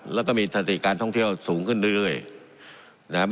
แล้วก็มีสติการท่องเที่ยวสูงขึ้นเรื่อยนะครับ